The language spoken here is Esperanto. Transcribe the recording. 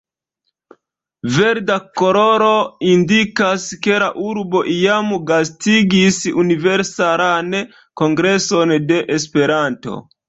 Verda koloro indikas, ke la urbo iam gastigis Universalan Kongreson de Esperanto.